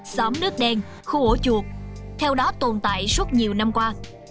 xóm nước đen khu ổ chuột theo đó tồn tại suốt nhiều năm qua